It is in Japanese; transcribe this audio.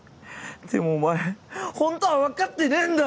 でもお前ほんとは分かってねぇんだろ！